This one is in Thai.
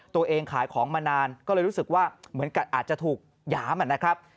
ตัวเองขายของมานานก็เลยรู้สึกว่าเหมือนกับอาจจะถูกหยามนะครับ